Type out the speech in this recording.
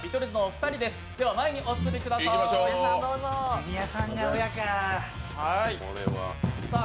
ジュニアさんが親かぁ。